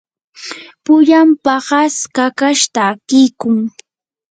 pullan paqas kakash takiykun.